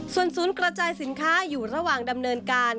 ส่วนศูนย์กระจายสินค้าอยู่ระหว่างดำเนินการ